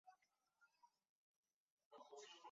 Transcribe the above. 动画改编原作自第一卷至第四卷。